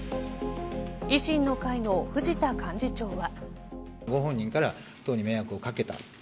維新の会の藤田幹事長は。